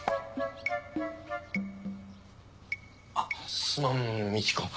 あっすまんみち子。